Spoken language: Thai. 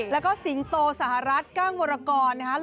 แล้วก็สิงโตสหรัฐกั้งวรกรนะครับ